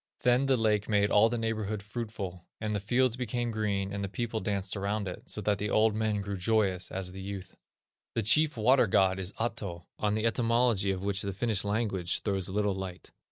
Then the lake made all the neighborhood fruitful, and the fields became green, and the people danced around it, so that the old men grew joyous as the youth." The chief water god is Ahto, on the etymology of which the Finnish language throws little light.